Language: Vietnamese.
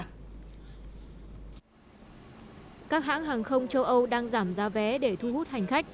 các hãng hàng không châu âu đang giảm giá vé để thu hút hành khách